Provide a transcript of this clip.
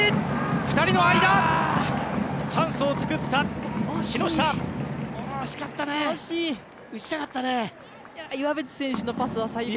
２人の間チャンスを作った木下。